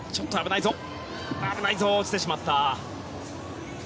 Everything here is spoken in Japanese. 危ないぞ落ちてしまった。